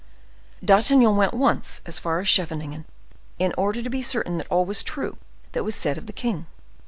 D'Artagnan went once as far as Scheveningen, in order to be certain that all was true that was said of the king.